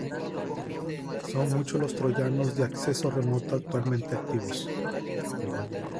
Son muchos los troyanos de acceso remoto actualmente activos.